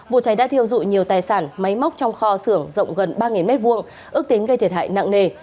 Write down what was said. vụ cháy đã thiêu dụi nhiều tài sản máy móc trong kho xưởng rộng gần ba m hai ước tính gây thiệt hại nặng nề